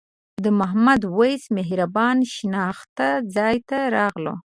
د محمد وېس مهربان شناخته ځای ته راغلو.